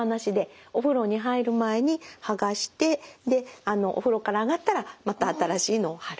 お風呂に入る前に剥がしてお風呂から上がったらまた新しいのを貼る。